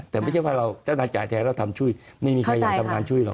แต่ไม่ใช่ว่าเราเจ้านายจ่ายแทนเราทำช่วยไม่มีใครอยากทำงานช่วยหรอก